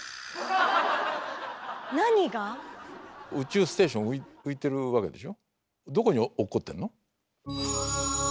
宇宙ステーション浮いてるわけでしょ？